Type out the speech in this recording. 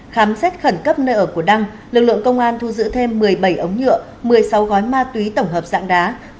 khám xét khẩn cấp nơi ở của đăng lực lượng công an thu giữ thêm một mươi bảy ống nhựa một mươi sáu gói ma túy tổng hợp dạng đá